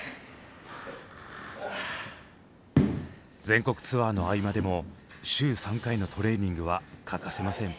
全国ツアーの合間でも週３回のトレーニングは欠かせません。